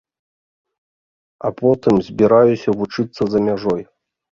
А потым збіраюся вучыцца за мяжой.